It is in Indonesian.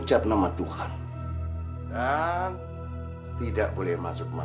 kamu dengar gak sih